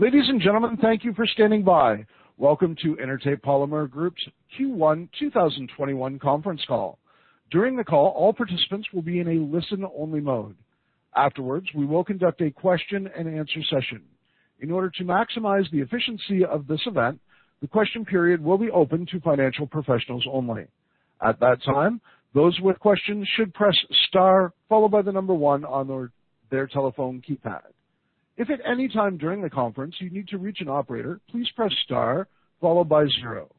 Ladies and gentlemen, thank you for standing by. Welcome to Intertape Polymer Group's Q1 2021 conference call. During the call, all participants will be in a listen-only mode. Afterwards, we will conduct a question and answer session. In order to maximize the efficiency of this event, the question period will be open to financial professionals only. At that time, those with questions should press star followed by one on their telephone keypad. If at any time during the conference you need to reach an operator, please press star followed by zero.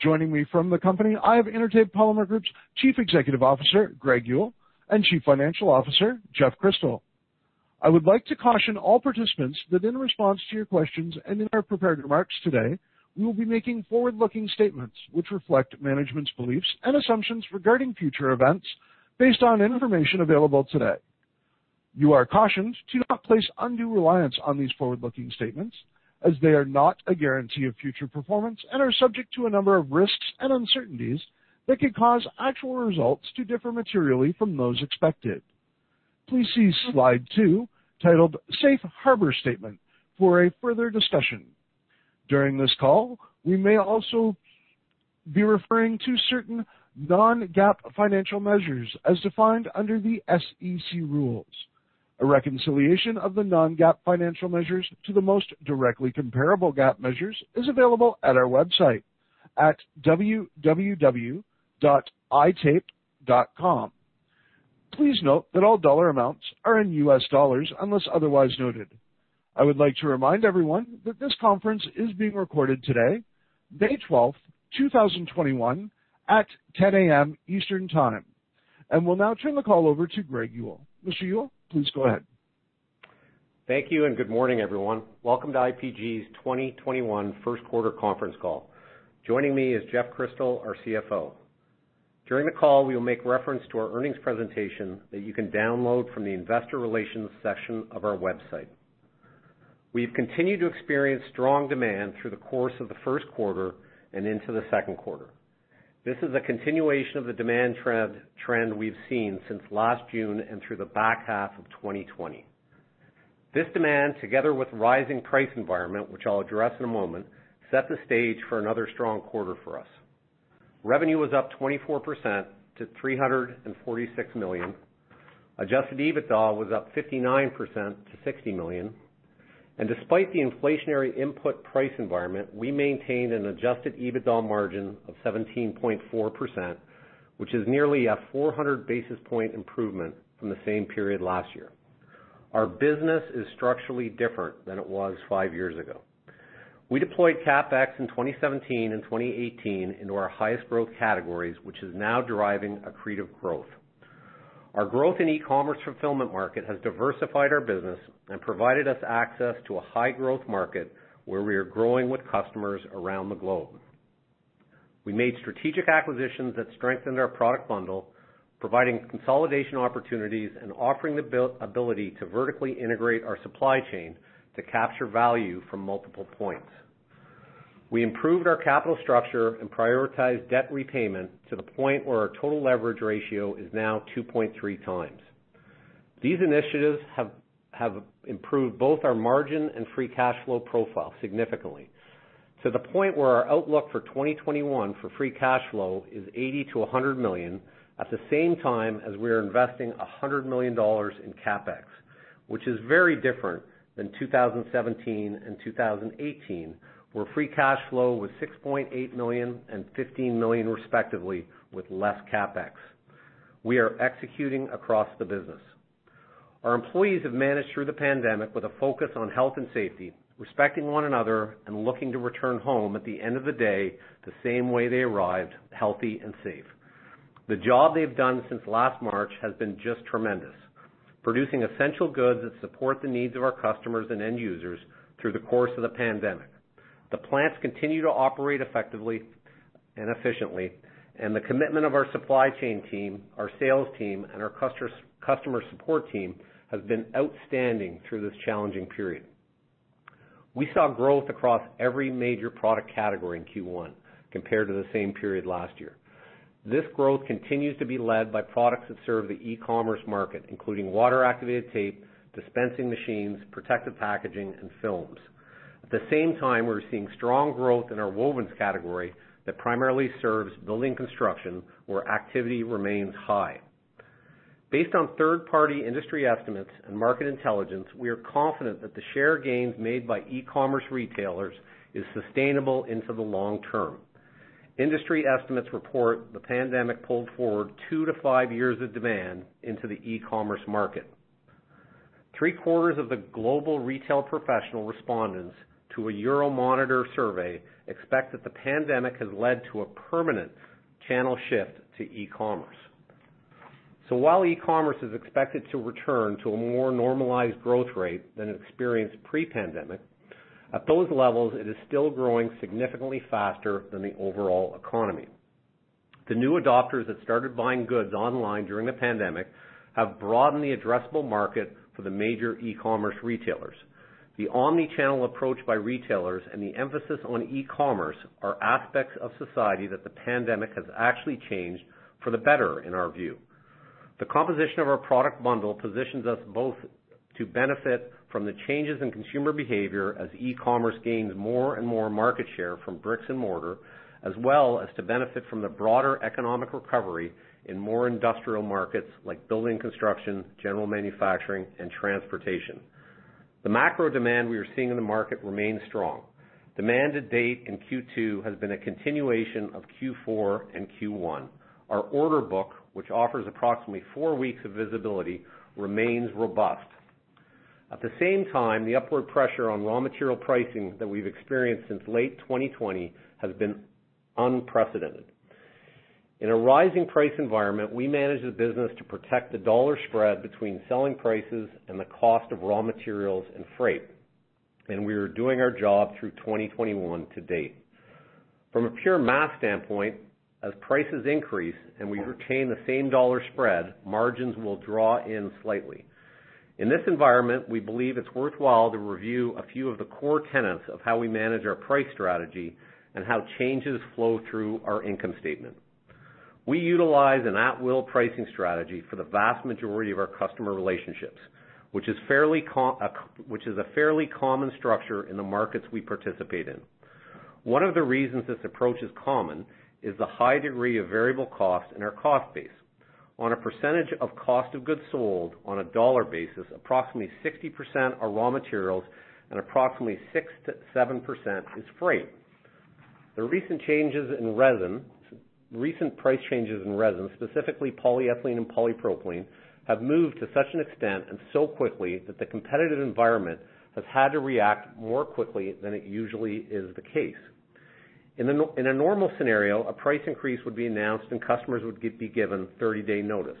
Joining me from the company, I have Intertape Polymer Group's Chief Executive Officer, Greg Yull, and Chief Financial Officer, Jeff Crystal. I would like to caution all participants that in response to your questions and in our prepared remarks today, we will be making forward-looking statements which reflect management's beliefs and assumptions regarding future events based on information available today. You are cautioned to not place undue reliance on these forward-looking statements as they are not a guarantee of future performance and are subject to a number of risks and uncertainties that could cause actual results to differ materially from those expected. Please see slide two, titled Safe Harbor Statement, for a further discussion. During this call, we may also be referring to certain non-GAAP financial measures as defined under the SEC rules. A reconciliation of the non-GAAP financial measures to the most directly comparable GAAP measures is available at our website at www.itape.com. Please note that all dollar amounts are in U.S. dollars unless otherwise noted. I would like to remind everyone that this conference is being recorded today, May 12th, 2021 at 10:00 A.M. Eastern Time. I will now turn the call over to Greg Yull. Mr. Yull, please go ahead. Thank you and good morning, everyone. Welcome to IPG's 2021 first quarter conference call. Joining me is Jeff Crystal, our CFO. During the call, we will make reference to our earnings presentation that you can download from the investor relations section of our website. We've continued to experience strong demand through the course of the first quarter and into the second quarter. This is a continuation of the demand trend we've seen since last June and through the back half of 2020. This demand, together with rising price environment, which I'll address in a moment, set the stage for another strong quarter for us. Revenue was up 24% to $346 million. Adjusted EBITDA was up 59% to $60 million. Despite the inflationary input price environment, we maintained an adjusted EBITDA margin of 17.4%, which is nearly a 400 basis point improvement from the same period last year. Our business is structurally different than it was five years ago. We deployed CapEx in 2017 and 2018 into our highest growth categories, which is now deriving accretive growth. Our growth in e-commerce fulfillment market has diversified our business and provided us access to a high growth market where we are growing with customers around the globe. We made strategic acquisitions that strengthened our product bundle, providing consolidation opportunities and offering the ability to vertically integrate our supply chain to capture value from multiple points. We improved our capital structure and prioritized debt repayment to the point where our total leverage ratio is now 2.3 times. These initiatives have improved both our margin and free cash flow profile significantly to the point where our outlook for 2021 for free cash flow is $80 million-$100 million, at the same time as we are investing $100 million in CapEx, which is very different than 2017 and 2018, where free cash flow was $6.8 million and $15 million respectively with less CapEx. We are executing across the business. Our employees have managed through the pandemic with a focus on health and safety, respecting one another, and looking to return home at the end of the day the same way they arrived, healthy and safe. The job they've done since last March has been just tremendous, producing essential goods that support the needs of our customers and end users through the course of the pandemic. The plants continue to operate effectively and efficiently, and the commitment of our supply chain team, our sales team, and our customer support team has been outstanding through this challenging period. We saw growth across every major product category in Q1 compared to the same period last year. This growth continues to be led by products that serve the e-commerce market, including water activated tape, dispensing machines, protective packaging, and films. At the same time, we're seeing strong growth in our wovens category that primarily serves building construction, where activity remains high. Based on third-party industry estimates and market intelligence, we are confident that the share gains made by e-commerce retailers is sustainable into the long term. Industry estimates report the pandemic pulled forward two to five years of demand into the e-commerce market. Three-quarters of the global retail professional respondents to a Euromonitor survey expect that the pandemic has led to a permanent channel shift to e-commerce. While e-commerce is expected to return to a more normalized growth rate than experienced pre-pandemic, at those levels, it is still growing significantly faster than the overall economy. The new adopters that started buying goods online during the pandemic have broadened the addressable market for the major e-commerce retailers. The omni-channel approach by retailers and the emphasis on e-commerce are aspects of society that the pandemic has actually changed for the better in our view. The composition of our product bundle positions us both to benefit from the changes in consumer behavior as e-commerce gains more and more market share from bricks and mortar, as well as to benefit from the broader economic recovery in more industrial markets like building construction, general manufacturing, and transportation. The macro demand we are seeing in the market remains strong. Demand to date in Q2 has been a continuation of Q4 and Q1. Our order book, which offers approximately four weeks of visibility, remains robust. At the same time, the upward pressure on raw material pricing that we've experienced since late 2020 has been unprecedented. In a rising price environment, we manage the business to protect the dollar spread between selling prices and the cost of raw materials and freight. We are doing our job through 2021 to date. From a pure math standpoint, as prices increase and we retain the same dollar spread, margins will draw in slightly. In this environment, we believe it's worthwhile to review a few of the core tenets of how we manage our price strategy and how changes flow through our income statement. We utilize an at will pricing strategy for the vast majority of our customer relationships, which is a fairly common structure in the markets we participate in. One of the reasons this approach is common is the high degree of variable cost in our cost base. On a percentage of cost of goods sold on a dollar basis, approximately 60% are raw materials and approximately 6%-7% is freight. The recent price changes in resin, specifically polyethylene and polypropylene, have moved to such an extent and so quickly that the competitive environment has had to react more quickly than it usually is the case. In a normal scenario, a price increase would be announced, and customers would be given 30-day notice.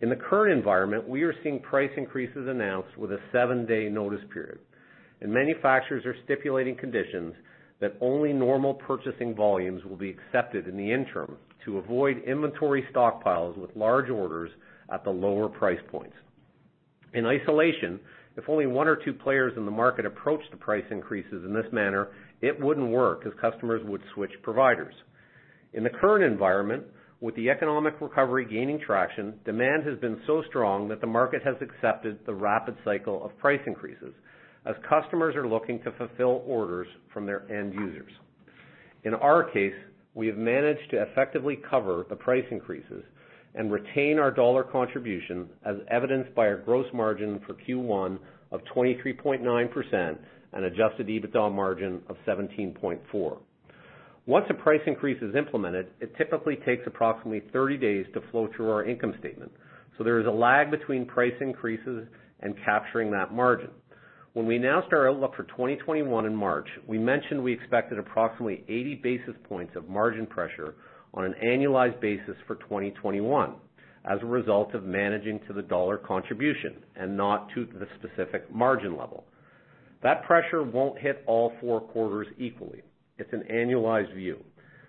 In the current environment, we are seeing price increases announced with a seven-day notice period. Manufacturers are stipulating conditions that only normal purchasing volumes will be accepted in the interim to avoid inventory stockpiles with large orders at the lower price points. In isolation, if only one or two players in the market approached the price increases in this manner, it wouldn't work because customers would switch providers. In the current environment, with the economic recovery gaining traction, demand has been so strong that the market has accepted the rapid cycle of price increases as customers are looking to fulfill orders from their end users. In our case, we have managed to effectively cover the price increases and retain our dollar contribution as evidenced by our gross margin for Q1 of 23.9% and adjusted EBITDA margin of 17.4%. Once a price increase is implemented, it typically takes approximately 30 days to flow through our income statement. There is a lag between price increases and capturing that margin. When we announced our outlook for 2021 in March, we mentioned we expected approximately 80 basis points of margin pressure on an annualized basis for 2021 as a result of managing to the dollar contribution and not to the specific margin level. That pressure won't hit all four quarters equally. It's an annualized view.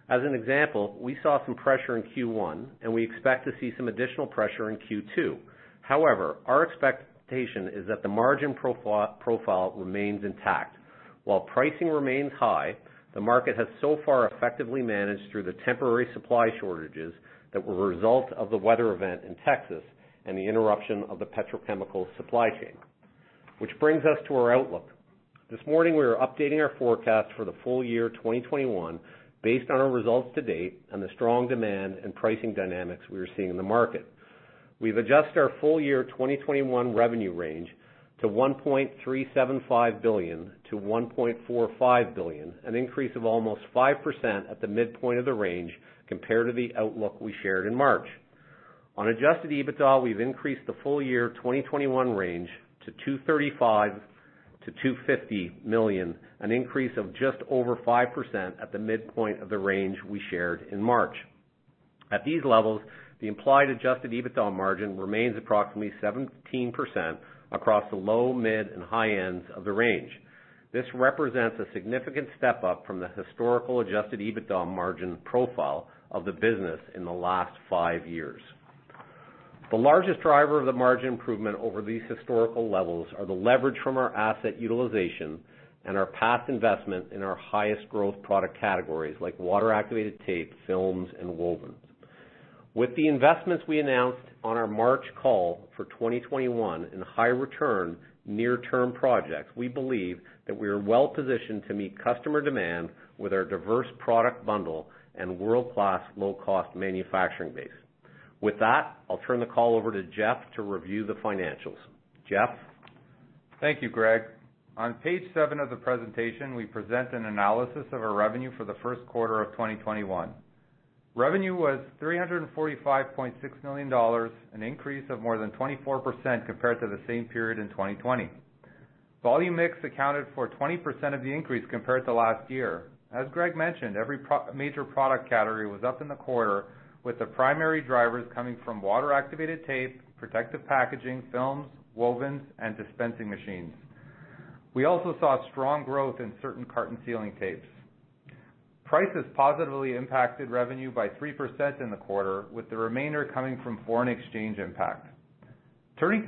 As an example, we saw some pressure in Q1. We expect to see some additional pressure in Q2. However, our expectation is that the margin profile remains intact. While pricing remains high, the market has so far effectively managed through the temporary supply shortages that were a result of the weather event in Texas and the interruption of the petrochemical supply chain, which brings us to our outlook. This morning, we are updating our forecast for the full year 2021 based on our results to date and the strong demand and pricing dynamics we are seeing in the market. We've adjusted our full year 2021 revenue range to $1.375 billion-$1.45 billion, an increase of almost 5% at the midpoint of the range compared to the outlook we shared in March. On adjusted EBITDA, we've increased the full year 2021 range to $235 million-$250 million, an increase of just over 5% at the midpoint of the range we shared in March. At these levels, the implied adjusted EBITDA margin remains approximately 17% across the low, mid, and high ends of the range. This represents a significant step up from the historical adjusted EBITDA margin profile of the business in the last five years. The largest driver of the margin improvement over these historical levels are the leverage from our asset utilization and our past investment in our highest growth product categories like water activated tape, films, and wovens. With the investments we announced on our March call for 2021 in high return, near-term projects, we believe that we are well positioned to meet customer demand with our diverse product bundle and world-class low cost manufacturing base. With that, I'll turn the call over to Jeff to review the financials. Jeff? Thank you, Greg. On page seven of the presentation, we present an analysis of our revenue for the first quarter of 2021. Revenue was $345.6 million, an increase of more than 24% compared to the same period in 2020. Volume mix accounted for 20% of the increase compared to last year. As Greg mentioned, every major product category was up in the quarter with the primary drivers coming from water activated tape, protective packaging, films, wovens, and dispensing machines. We also saw strong growth in certain carton sealing tapes. Prices positively impacted revenue by 3% in the quarter, with the remainder coming from foreign exchange impact. Turning to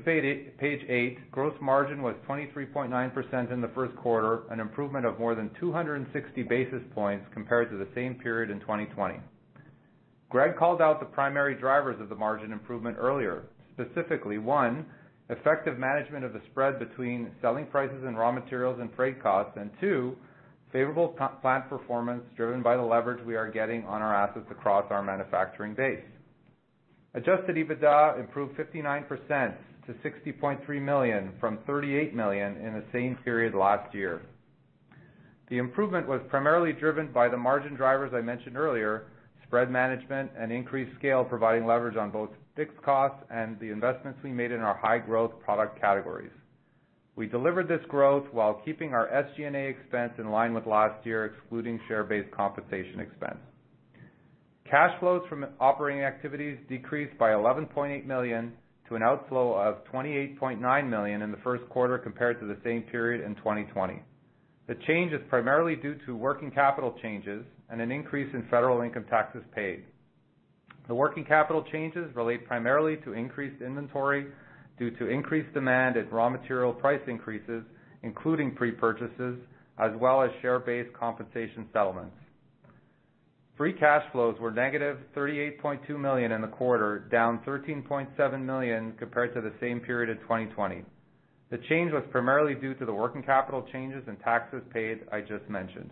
page eight, gross margin was 23.9% in the first quarter, an improvement of more than 260 basis points compared to the same period in 2020. Greg called out the primary drivers of the margin improvement earlier. Specifically, one, effective management of the spread between selling prices and raw materials and freight costs. Two, favorable plant performance driven by the leverage we are getting on our assets across our manufacturing base. Adjusted EBITDA improved 59% to $60.3 million from $38 million in the same period last year. The improvement was primarily driven by the margin drivers I mentioned earlier, spread management and increased scale, providing leverage on both fixed costs and the investments we made in our high growth product categories. We delivered this growth while keeping our SG&A expense in line with last year, excluding share-based compensation expense. Cash flows from operating activities decreased by $11.8 million to an outflow of $28.9 million in the first quarter compared to the same period in 2020. The change is primarily due to working capital changes and an increase in federal income taxes paid. The working capital changes relate primarily to increased inventory due to increased demand and raw material price increases, including prepurchases, as well as share-based compensation settlements. Free cash flows were -$38.2 million in the quarter, down $13.7 million compared to the same period of 2020. The change was primarily due to the working capital changes and taxes paid I just mentioned.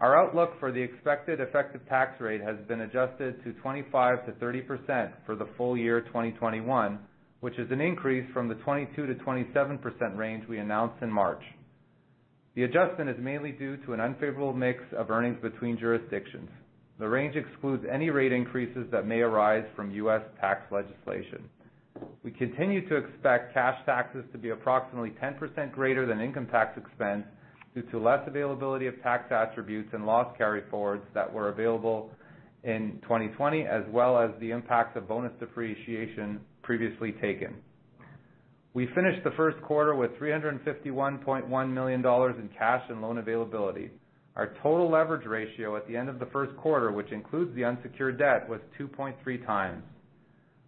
Our outlook for the expected effective tax rate has been adjusted to 25%-30% for the full year 2021, which is an increase from the 22%-27% range we announced in March. The adjustment is mainly due to an unfavorable mix of earnings between jurisdictions. The range excludes any rate increases that may arise from U.S. tax legislation. We continue to expect cash taxes to be approximately 10% greater than income tax expense due to less availability of tax attributes and loss carryforwards that were available in 2020, as well as the impact of bonus depreciation previously taken. We finished the first quarter with $351.1 million in cash and loan availability. Our total leverage ratio at the end of the first quarter, which includes the unsecured debt, was 2.3 times.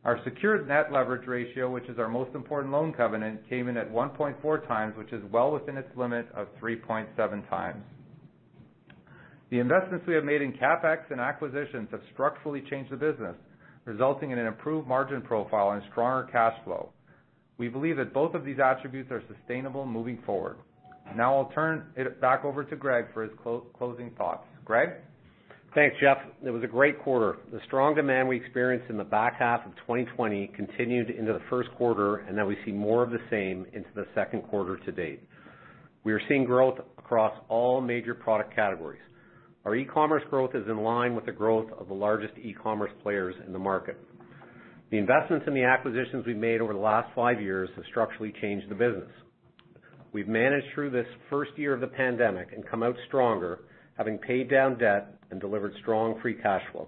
Our secured net leverage ratio, which is our most important loan covenant, came in at 1.4 times, which is well within its limit of 3.7 times. The investments we have made in CapEx and acquisitions have structurally changed the business, resulting in an improved margin profile and stronger cash flow. We believe that both of these attributes are sustainable moving forward. I'll turn it back over to Greg for his closing thoughts. Greg? Thanks, Jeff. It was a great quarter. The strong demand we experienced in the back half of 2020 continued into the first quarter, and now we see more of the same into the second quarter to date. We are seeing growth across all major product categories. Our e-commerce growth is in line with the growth of the largest e-commerce players in the market. The investments and the acquisitions we've made over the last five years have structurally changed the business. We've managed through this first year of the pandemic and come out stronger, having paid down debt and delivered strong free cash flow.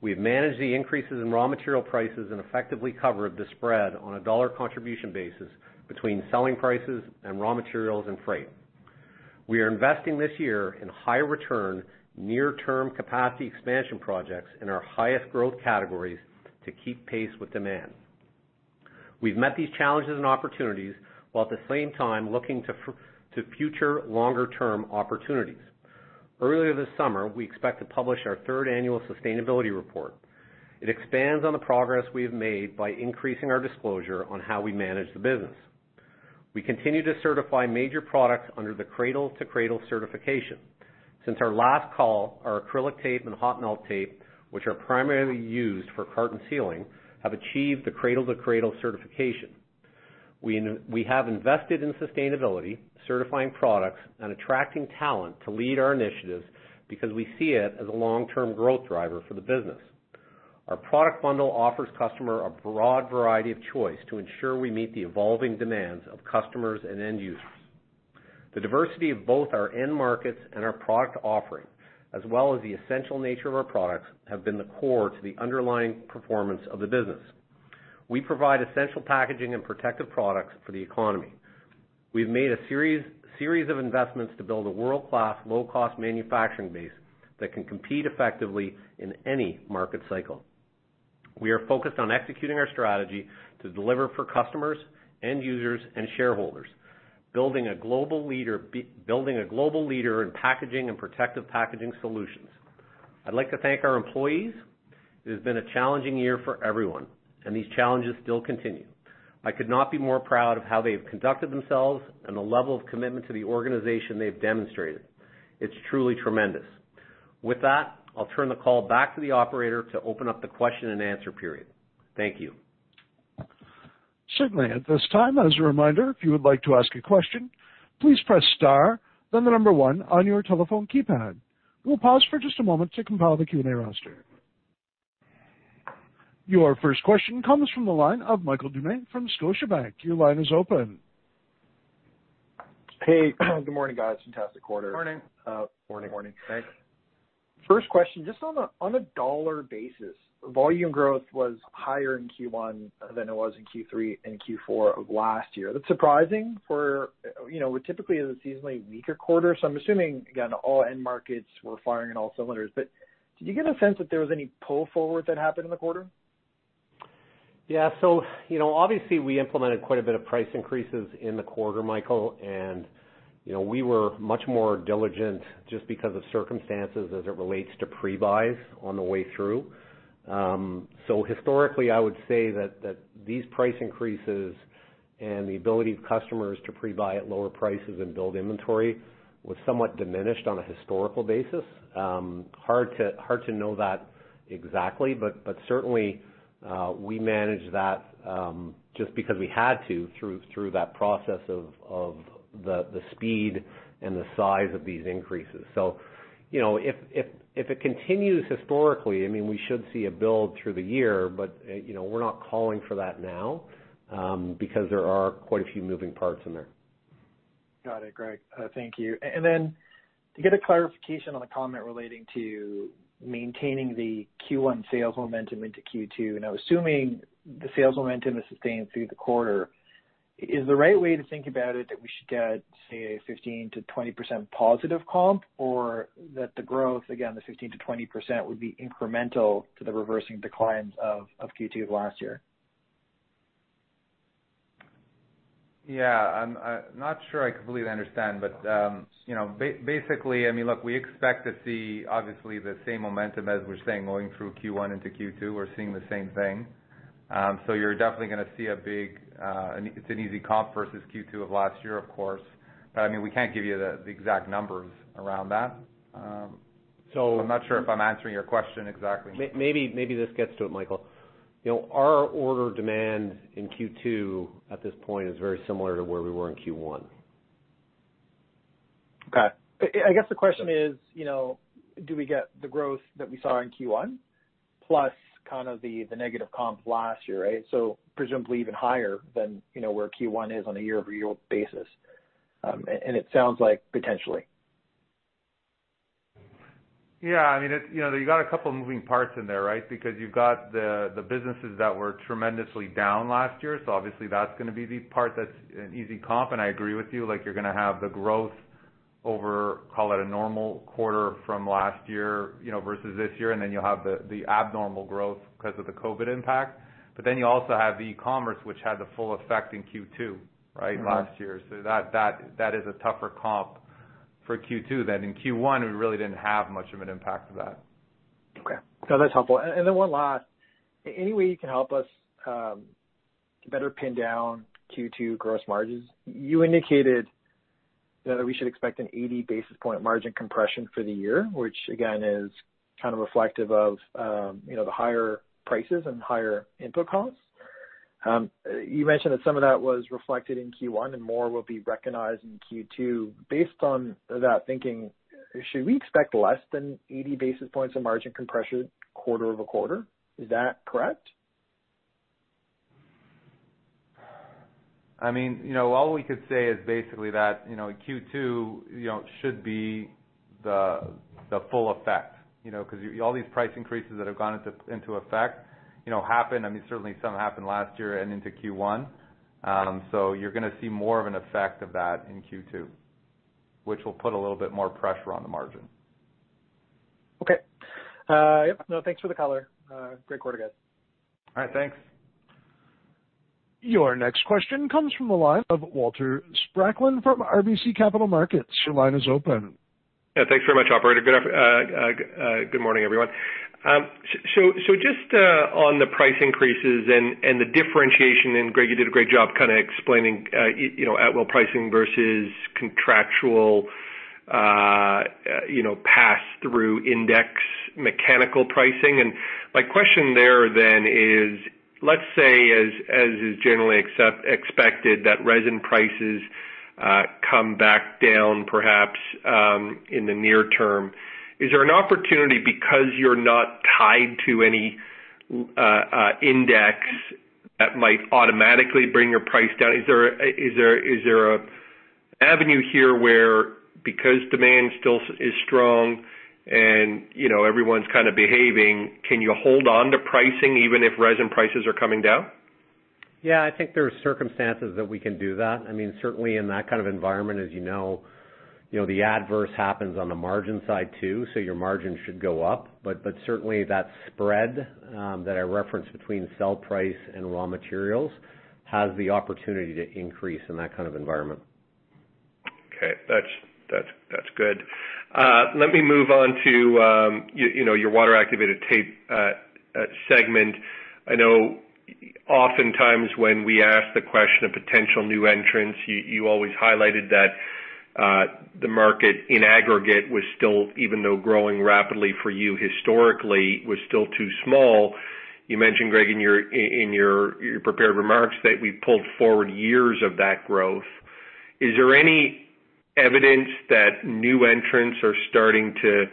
We've managed the increases in raw material prices and effectively covered the spread on a dollar contribution basis between selling prices and raw materials and freight. We are investing this year in high return, near-term capacity expansion projects in our highest growth categories to keep pace with demand. We've met these challenges and opportunities while at the same time looking to future longer term opportunities. Earlier this summer, we expect to publish our third annual sustainability report. It expands on the progress we have made by increasing our disclosure on how we manage the business. We continue to certify major products under the Cradle to Cradle certification. Since our last call, our acrylic tape and hot melt tape, which are primarily used for carton sealing, have achieved the Cradle to Cradle certification. We have invested in sustainability, certifying products and attracting talent to lead our initiatives because we see it as a long-term growth driver for the business. Our product bundle offers customer a broad variety of choice to ensure we meet the evolving demands of customers and end users. The diversity of both our end markets and our product offering, as well as the essential nature of our products, have been the core to the underlying performance of the business. We provide essential packaging and protective products for the economy. We've made a series of investments to build a world-class, low-cost manufacturing base that can compete effectively in any market cycle. We are focused on executing our strategy to deliver for customers, end users, and shareholders, building a global leader in packaging and protective packaging solutions. I'd like to thank our employees. It has been a challenging year for everyone, and these challenges still continue. I could not be more proud of how they've conducted themselves and the level of commitment to the organization they've demonstrated. It's truly tremendous. With that, I'll turn the call back to the operator to open up the question and answer period. Thank you. Certainly. At this time, as a reminder, if you would like to ask a question, please press star, then the number one on your telephone keypad. We'll pause for just a moment to compile the Q&A roster. Your first question comes from the line of Michael Doumet from Scotiabank. Your line is open. Hey, good morning, guys. Fantastic quarter. Morning. Morning. Morning. Thanks. First question, just on a, on a dollar basis, volume growth was higher in Q1 than it was in Q3 and Q4 of last year. That's surprising for, you know, what typically is a seasonally weaker quarter. I'm assuming, again, all end markets were firing on all cylinders. Did you get a sense that there was any pull forward that happened in the quarter? Yeah. You know, obviously we implemented quite a bit of price increases in the quarter, Michael, and, you know, we were much more diligent just because of circumstances as it relates to pre-buys on the way through. Historically, I would say that these price increases and the ability of customers to pre-buy at lower prices and build inventory was somewhat diminished on a historical basis. Hard to know that exactly, but certainly we managed that just because we had to through that process of the speed and the size of these increases. You know, if it continues historically, I mean, we should see a build through the year, but you know, we're not calling for that now because there are quite a few moving parts in there. Got it, Greg. Thank you. To get a clarification on the comment relating to maintaining the Q1 sales momentum into Q2, now assuming the sales momentum is sustained through the quarter, is the right way to think about it that we should get, say, a 15%-20% positive comp, or that the growth, again, the 15%-20% would be incremental to the reversing declines of Q2 of last year? I'm not sure I completely understand, you know, basically, I mean, look, we expect to see obviously the same momentum as we're seeing going through Q1 into Q2. We're seeing the same thing. You're definitely gonna see a big, it's an easy comp versus Q2 of last year, of course. I mean, we can't give you the exact numbers around that. I'm not sure if I'm answering your question exactly. Maybe this gets to it, Michael. You know, our order demand in Q2 at this point is very similar to where we were in Q1. Okay. I guess the question is, you know, do we get the growth that we saw in Q1 plus kind of the negative comp last year, right? Presumably even higher than, you know, where Q1 is on a year-over-year basis. And it sounds like potentially. Yeah. I mean, it's, you know, you got a couple moving parts in there, right? You've got the businesses that were tremendously down last year, so obviously that's gonna be the part that's an easy comp. I agree with you, like, you're gonna have the growth over, call it a normal quarter from last year, you know, versus this year, and then you'll have the abnormal growth 'cause of the COVID impact. You also have the e-commerce, which had the full effect in Q2, right? Last year. That, that is a tougher comp for Q2 than in Q1, we really didn't have much of an impact of that. Okay. No, that's helpful. Then one last. Any way you can help us better pin down Q2 gross margins? You indicated that we should expect an 80 basis point margin compression for the year, which again is kind of reflective of, you know, the higher prices and higher input costs. You mentioned that some of that was reflected in Q1 and more will be recognized in Q2. Based on that thinking, should we expect less than 80 basis points of margin compression quarter-over-quarter? Is that correct? I mean, you know, all we could say is basically that, you know, Q2, you know, should be the full effect, you know, because all these price increases that have gone into effect, you know, happened. I mean, certainly some happened last year and into Q1. You're gonna see more of an effect of that in Q2, which will put a little bit more pressure on the margin. Okay. Yep, no, thanks for the color. Great quarter, guys. All right, thanks. Your next question comes from the line of Walter Spracklin from RBC Capital Markets. Your line is open. Yeah, thanks very much, operator. Good morning, everyone. So just on the price increases and the differentiation, and Greg, you did a great job kinda explaining, you know, at-will pricing versus contractual, you know, pass-through index mechanical pricing. My question there then is, let's say as is generally expected that resin prices come back down perhaps in the near term, is there an opportunity because you're not tied to any index that might automatically bring your price down? Is there an avenue here where because demand still is strong and, you know, everyone's kinda behaving, can you hold on to pricing even if resin prices are coming down? Yeah, I think there are circumstances that we can do that. I mean, certainly in that kind of environment, as you know, you know, the adverse happens on the margin side too, so your margin should go up. Certainly that spread, that I referenced between sell price and raw materials has the opportunity to increase in that kind of environment. Okay. That's good. Let me move on to, you know, your water activated tape segment. I know oftentimes when we ask the question of potential new entrants, you always highlighted that the market in aggregate was still, even though growing rapidly for you historically, was still too small. You mentioned, Greg, in your prepared remarks that we pulled forward years of that growth. Is there any evidence that new entrants are starting to,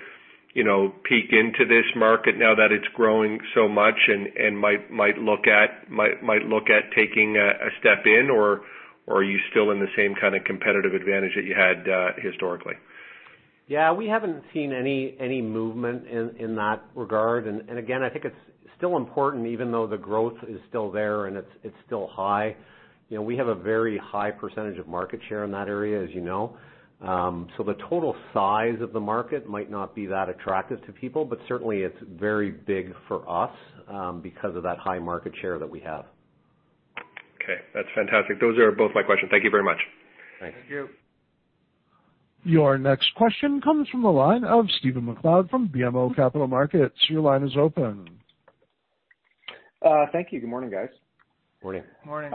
you know, peek into this market now that it's growing so much and might look at taking a step in, or are you still in the same kinda competitive advantage that you had historically? Yeah, we haven't seen any movement in that regard. Again, I think it's still important even though the growth is still there and it's still high. You know, we have a very high percentage of market share in that area, as you know. The total size of the market might not be that attractive to people, but certainly it's very big for us because of that high market share that we have. Okay, that's fantastic. Those are both my questions. Thank you very much. Thanks. Thank you. Your next question comes from the line of Stephen MacLeod from BMO Capital Markets. Your line is open. Thank you. Good morning, guys. Morning. Morning.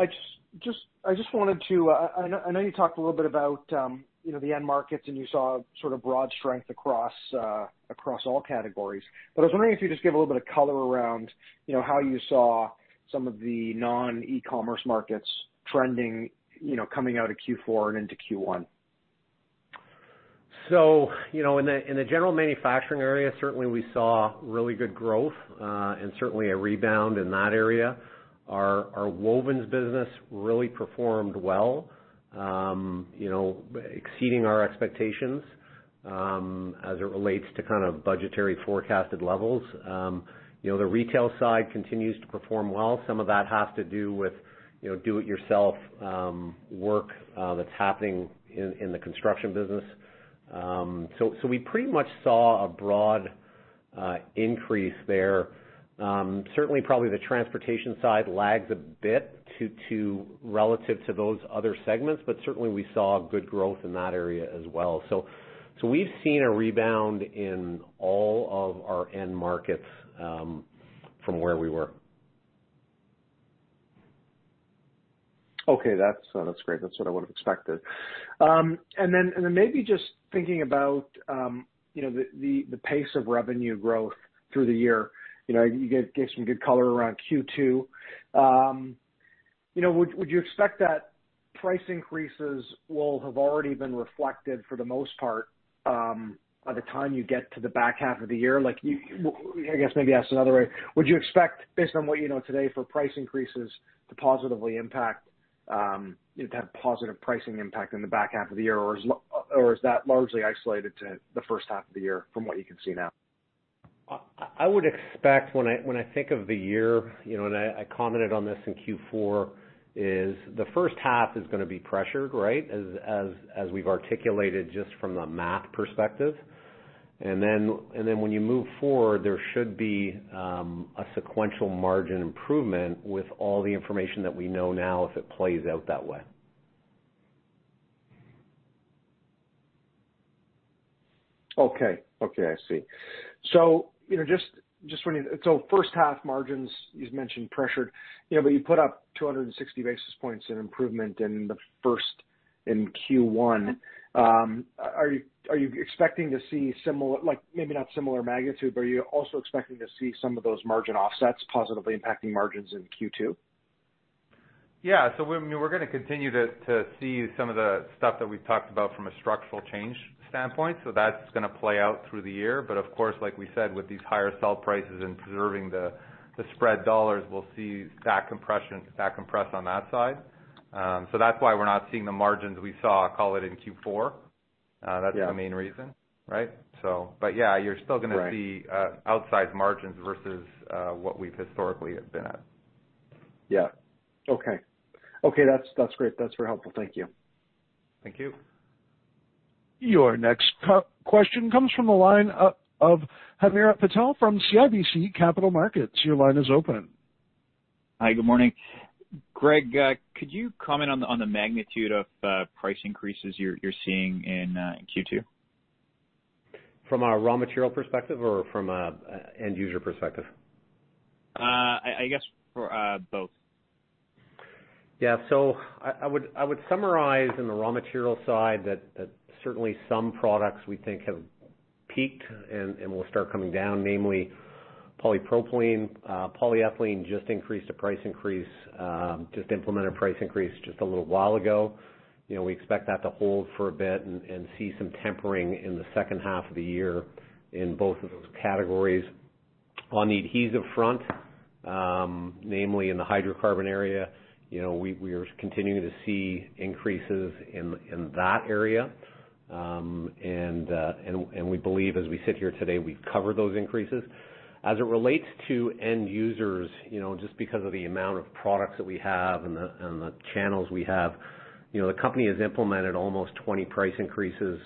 I just wanted to, I know you talked a little bit about, you know, the end markets, and you saw sort of broad strength across all categories. I was wondering if you could just give a little bit of color around, you know, how you saw some of the non-eCommerce markets trending, you know, coming out of Q4 and into Q1. You know, in the general manufacturing area, certainly we saw really good growth and certainly a rebound in that area. Our wovens business really performed well, you know, exceeding our expectations as it relates to kind of budgetary forecasted levels. You know, the retail side continues to perform well. Some of that has to do with, you know, do it yourself work that's happening in the construction business. We pretty much saw a broad increase there. Certainly probably the transportation side lags a bit to relative to those other segments, but certainly we saw good growth in that area as well. We've seen a rebound in all of our end markets from where we were. Okay. That's, that's great. That's what I would've expected. Maybe just thinking about, you know, the, the pace of revenue growth through the year. You know, you gave some good color around Q2. You know, would you expect that price increases will have already been reflected for the most part by the time you get to the back half of the year? Like you I guess maybe ask another way. Would you expect, based on what you know today for price increases to positively impact, you know, to have positive pricing impact in the back half of the year, or is that largely isolated to the first half of the year from what you can see now? I would expect when I think of the year, you know, and I commented on this in Q4, is the first half is going to be pressured, right? As we've articulated just from the math perspective. Then when you move forward, there should be a sequential margin improvement with all the information that we know now if it plays out that way. Okay, I see. you know, just when you first half margins, you've mentioned pressured, you know, but you put up 260 basis points in improvement in the first, in Q1. are you expecting to see similar, like maybe not similar magnitude, but are you also expecting to see some of those margin offsets positively impacting margins in Q2? Yeah. We're gonna continue to see some of the stuff that we've talked about from a structural change standpoint, so that's gonna play out through the year. Of course, like we said, with these higher sell prices and preserving the spread dollars, we'll see that compression, that compress on that side. That's why we're not seeing the margins we saw, call it in Q4. Yeah. That's the main reason, right? Right outsized margins versus, what we've historically have been at. Yeah. Okay. Okay, that's great. That's very helpful. Thank you. Thank you. Your next question comes from the line of Hamir Patel from CIBC Capital Markets. Your line is open. Hi, good morning. Greg, could you comment on the magnitude of price increases you're seeing in Q2? From a raw material perspective or from a end user perspective? I guess for both. Yeah. I would summarize in the raw material side that certainly some products we think have peaked and will start coming down, namely polypropylene. Polyethylene just implemented a price increase just a little while ago. You know, we expect that to hold for a bit and see some tempering in the second half of the year in both of those categories. On the adhesive front, namely in the hydrocarbon area, you know, we are continuing to see increases in that area. We believe as we sit here today, we cover those increases. As it relates to end users, you know, just because of the amount of products that we have and the channels we have, you know, the company has implemented almost 20 price increases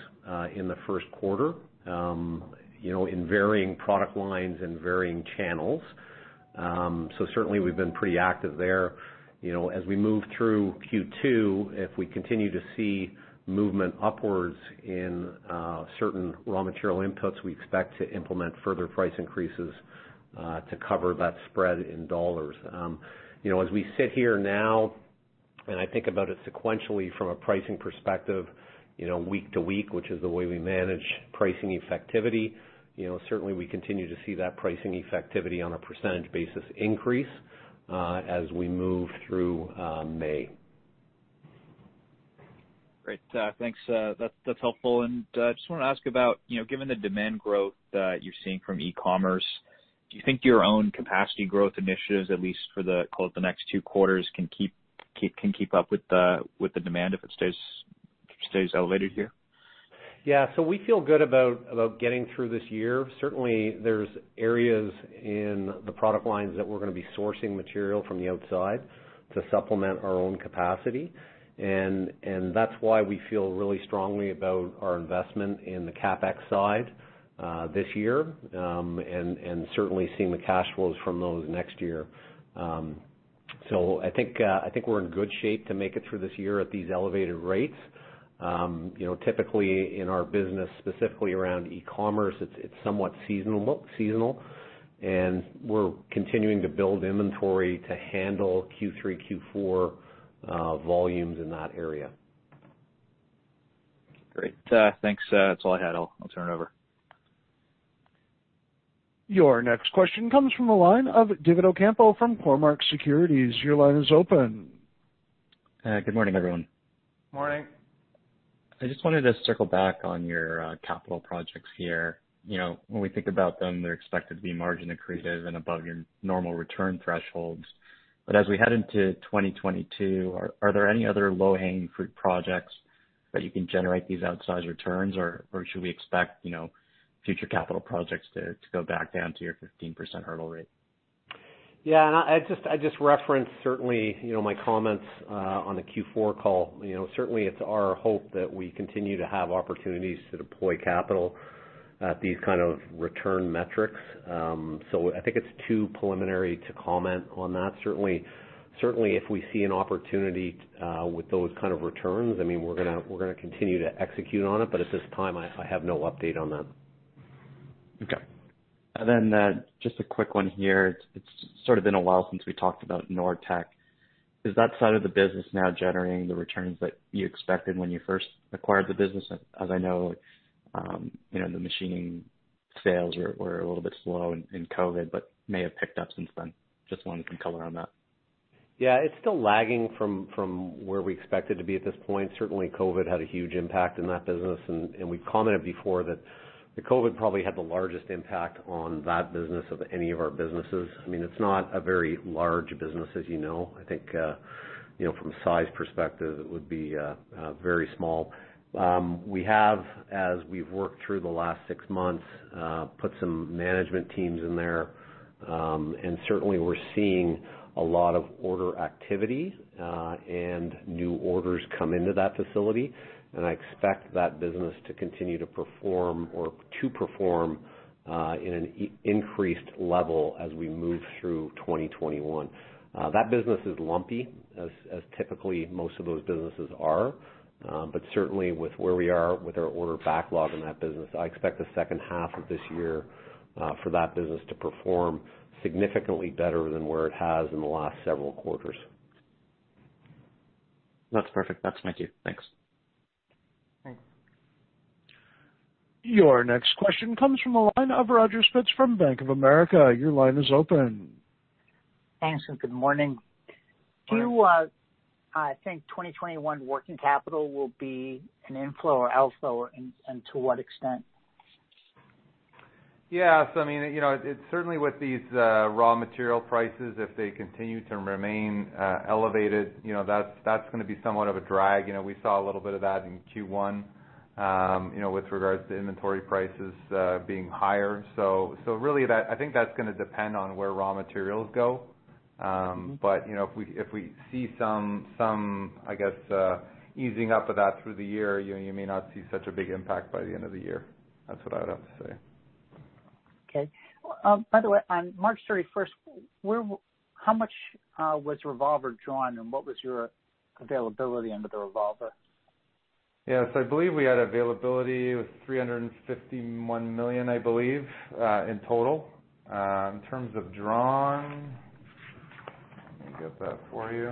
in the first quarter, you know, in varying product lines and varying channels. Certainly we've been pretty active there. You know, as we move through Q2, if we continue to see movement upwards in certain raw material inputs, we expect to implement further price increases to cover that spread in dollars. You know, as we sit here now and I think about it sequentially from a pricing perspective, you know, week to week, which is the way we manage pricing effectivity, you know, certainly we continue to see that pricing effectivity on a percentage basis increase as we move through May. Great. Thanks. That's helpful. Just wanna ask about, you know, given the demand growth that you're seeing from eCommerce, do you think your own capacity growth initiatives, at least for the, call it the next two quarters, can keep up with the demand if it stays elevated here? Yeah. We feel good about getting through this year. Certainly, there's areas in the product lines that we're gonna be sourcing material from the outside to supplement our own capacity, and that's why we feel really strongly about our investment in the CapEx side this year. And certainly seeing the cash flows from those next year. I think we're in good shape to make it through this year at these elevated rates. You know, typically in our business, specifically around e-commerce, it's somewhat seasonal. We're continuing to build inventory to handle Q3, Q4 volumes in that area. Great. Thanks, that's all I had. I'll turn it over. Your next question comes from the line of David Ocampo from Cormark Securities. Your line is open. Good morning, everyone. Morning. I just wanted to circle back on your capital projects here. You know, when we think about them, they're expected to be margin accretive and above your normal return thresholds. As we head into 2022, are there any other low-hanging fruit projects that you can generate these outsized returns, or should we expect, you know, future capital projects to go back down to your 15% hurdle rate? Yeah, I just referenced certainly, you know, my comments on the Q4 call. You know, certainly it's our hope that we continue to have opportunities to deploy capital at these kind of return metrics. I think it's too preliminary to comment on that. Certainly if we see an opportunity with those kind of returns, I mean, we're gonna continue to execute on it. At this time, I have no update on that. Okay. Then, just a quick one here. It's sort of been a while since we talked about Nortech. Is that side of the business now generating the returns that you expected when you first acquired the business? As I know, you know, the machining sales were a little bit slow in COVID, but may have picked up since then. Just wanted some color on that. Yeah, it's still lagging from where we expect it to be at this point. Certainly COVID had a huge impact in that business and we've commented before that the COVID probably had the largest impact on that business of any of our businesses. I mean, it's not a very large business, as you know. I think, you know, from a size perspective, it would be very small. We have, as we've worked through the last six months, put some management teams in there, and certainly we're seeing a lot of order activity, and new orders come into that facility. I expect that business to continue to perform or to perform in an increased level as we move through 2021. That business is lumpy, as typically most of those businesses are. Certainly with where we are with our order backlog in that business, I expect the second half of this year, for that business to perform significantly better than where it has in the last several quarters. That's perfect. That's my queue. Thanks. Thanks. Your next question comes from the line of Roger Spitz from Bank of America. Your line is open. Thanks, and good morning. Morning. Do you think 2021 working capital will be an inflow or outflow, and to what extent? I mean, you know, it's certainly with these raw material prices, if they continue to remain elevated, you know, that's gonna be somewhat of a drag. You know, we saw a little bit of that in Q1, you know, with regards to inventory prices being higher. Really, I think that's gonna depend on where raw materials go. You know, if we see some, I guess, easing up of that through the year, you may not see such a big impact by the end of the year. That's what I'd have to say. Okay. By the way, on March 31st, how much was revolver drawn, and what was your availability under the revolver? Yes. I believe we had availability with $351 million, I believe, in total. In terms of drawn, let me get that for you.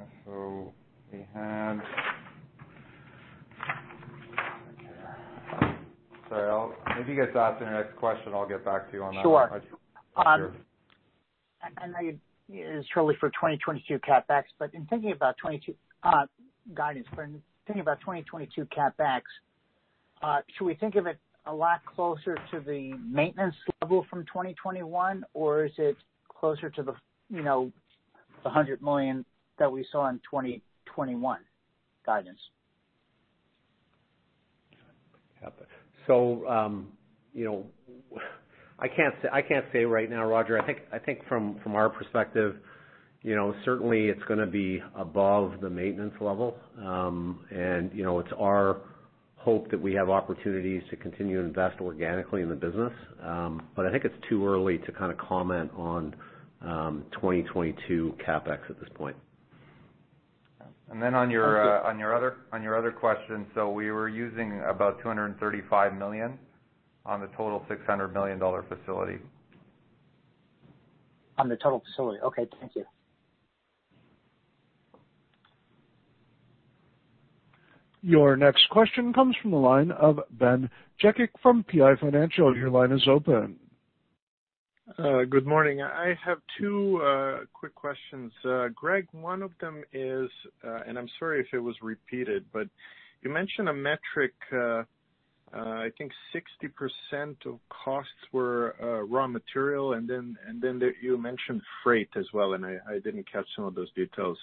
Okay. Sorry, if you guys ask the next question, I'll get back to you on that one. Sure. I know it is totally for 2022 CapEx, but in thinking about guidance for thinking about 2022 CapEx, should we think of it a lot closer to the maintenance level from 2021, or is it closer to the, you know, the $100 million that we saw in 2021 guidance? Yeah. You know, I can't say right now, Roger. I think from our perspective, you know, certainly it's gonna be above the maintenance level. You know, it's our hope that we have opportunities to continue to invest organically in the business. I think it's too early to kinda comment on 2022 CapEx at this point. On your, on your other, on your other question, we were using about $235 million on the total $600 million facility. On the total facility. Okay, thank you. Your next question comes from the line of Ben Jekic from PI Financial. Your line is open. Good morning. I have two quick questions. Greg, one of them is, and I'm sorry if it was repeated, but you mentioned a metric, I think 60% of costs were raw material, then you mentioned freight as well, and I didn't catch some of those details.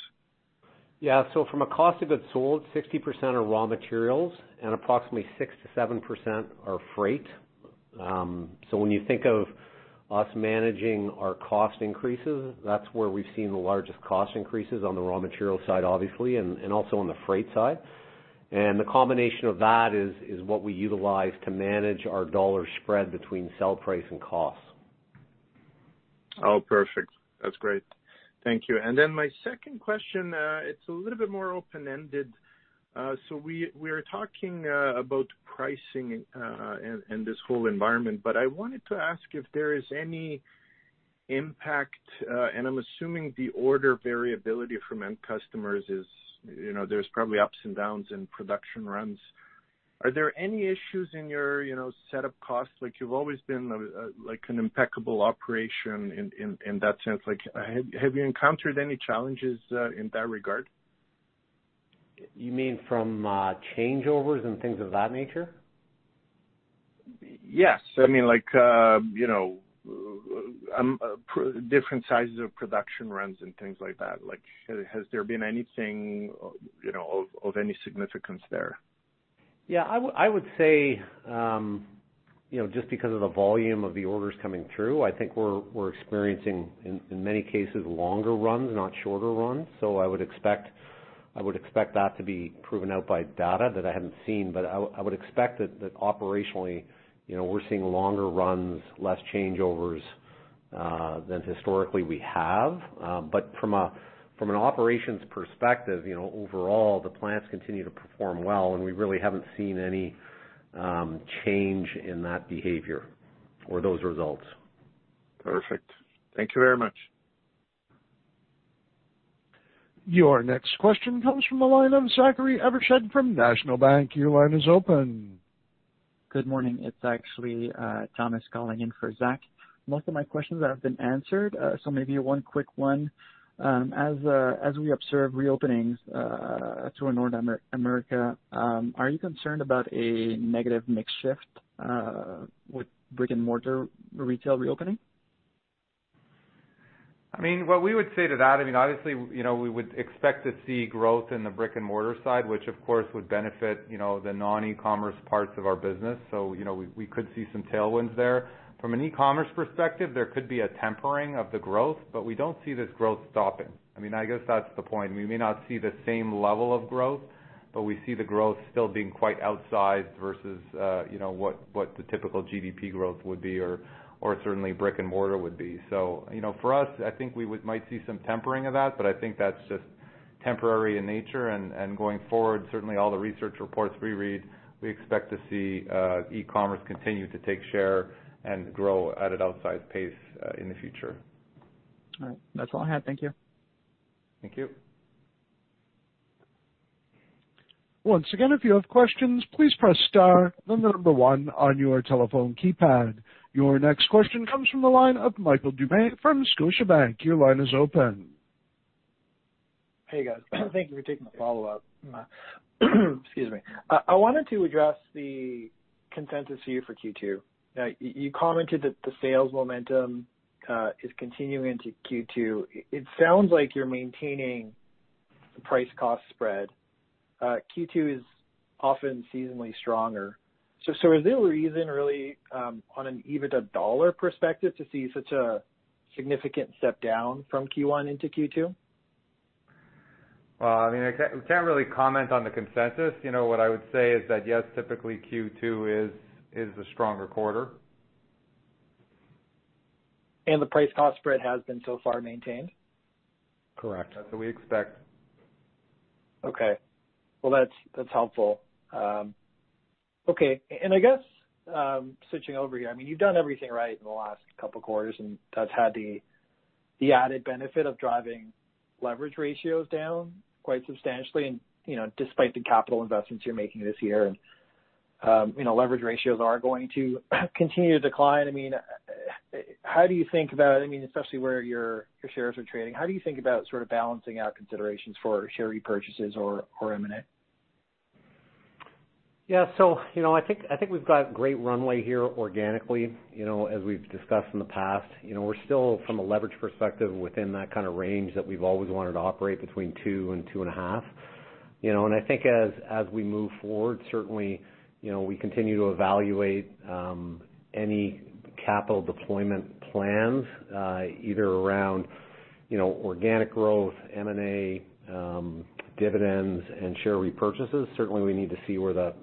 Yeah. From a cost of goods sold, 60% are raw materials and approximately 6%-7% are freight. When you think of us managing our cost increases, that's where we've seen the largest cost increases on the raw material side, obviously, and also on the freight side. The combination of that is what we utilize to manage our dollar spread between sell price and cost. Oh, perfect. That's great. Thank you. My second question, it's a little bit more open-ended. We are talking about pricing and this whole environment. I wanted to ask if there is any impact, and I'm assuming the order variability from end customers is, you know, there's probably ups and downs in production runs. Are there any issues in your, you know, setup costs? Like, you've always been a, like, an impeccable operation in that sense. Like, have you encountered any challenges in that regard? You mean from changeovers and things of that nature? Yes. I mean, like, you know, different sizes of production runs and things like that. Like, has there been anything, you know, of any significance there? I would say, you know, just because of the volume of the orders coming through, I think we're experiencing, in many cases, longer runs, not shorter runs. I would expect that to be proven out by data that I haven't seen. I would expect that operationally, you know, we're seeing longer runs, less changeovers than historically we have. But from an operations perspective, you know, overall, the plants continue to perform well, and we really haven't seen any change in that behavior or those results. Perfect. Thank you very much. Your next question comes from the line of Zachary Evershed from National Bank. Your line is open. Good morning. It's actually, Thomas calling in for Zach. Most of my questions have been answered, so maybe one quick one. As we observe reopenings, throughout North America, are you concerned about a negative mix shift, with brick-and-mortar retail reopening? I mean, what we would say to that, I mean, obviously, you know, we would expect to see growth in the brick-and-mortar side, which of course would benefit, you know, the non-e-commerce parts of our business. You know, we could see some tailwinds there. From an e-commerce perspective, there could be a tempering of the growth, but we don't see this growth stopping. I mean, I guess that's the point. We may not see the same level of growth, but we see the growth still being quite outsized versus, you know, what the typical GDP growth would be or certainly brick-and-mortar would be. You know, for us, I think we might see some tempering of that, but I think that's just temporary in nature. Going forward, certainly all the research reports we read, we expect to see e-commerce continue to take share and grow at an outsized pace in the future. All right. That's all I had. Thank you. Thank you. Your next question comes from the line of Michael Doumet from Scotiabank. Your line is open. Hey, guys. Thank you for taking my follow-up. Excuse me. I wanted to address the consensus view for Q2. You commented that the sales momentum is continuing into Q2. It sounds like you're maintaining the price-cost spread. Q2 is often seasonally stronger. Is there a reason really on an EBITDA dollar perspective to see such a significant step down from Q1 into Q2? Well, I mean, we can't really comment on the consensus. You know, what I would say is that, yes, typically Q2 is the stronger quarter. The price-cost spread has been so far maintained? Correct. That's what we expect. Okay. Well, that's helpful. Okay. I guess, switching over here, I mean, you've done everything right in the last couple quarters, and that's had the added benefit of driving leverage ratios down quite substantially and, you know, despite the capital investments you're making this year. You know, leverage ratios are going to continue to decline. I mean, how do you think about, I mean, especially where your shares are trading, how do you think about sort of balancing out considerations for share repurchases or M&A? Yeah. You know, I think we've got great runway here organically. You know, as we've discussed in the past, you know, we're still, from a leverage perspective, within that kind of range that we've always wanted to operate between 2 and 2.5. I think as we move forward, certainly, you know, we continue to evaluate any capital deployment plans, either around, you know, organic growth, M&A, dividends, and share repurchases. Certainly, we need to see where the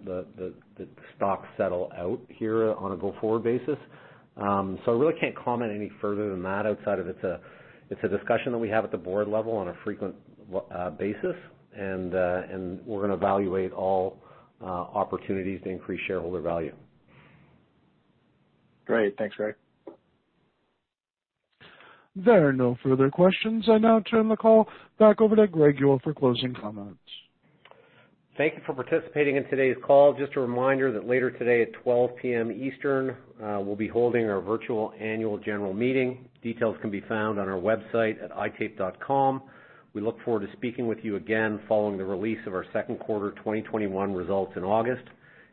stocks settle out here on a go-forward basis. I really can't comment any further than that outside of it's a discussion that we have at the board level on a frequent basis. We're gonna evaluate all opportunities to increase shareholder value. Great. Thanks, Greg. There are no further questions. I now turn the call back over to Greg Yull for closing comments. Thank you for participating in today's call. Just a reminder that later today at 12:00 P.M. Eastern, we'll be holding our virtual annual general meeting. Details can be found on our website at itape.com. We look forward to speaking with you again following the release of our second quarter 2021 results in August.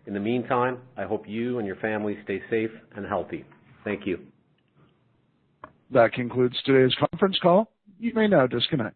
In the meantime, I hope you and your family stay safe and healthy. Thank you. That concludes today's conference call. You may now disconnect.